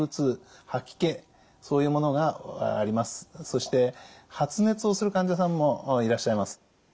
そして発熱をする患者さんもいらっしゃいます。